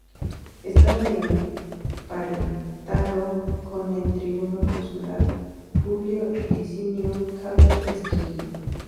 Estaba emparentado con el tribuno consular Publio Licinio Calvo Esquilino.